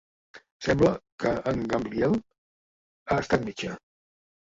Sembla que en Gamliel ha estat metge.